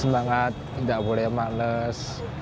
semangat tidak boleh males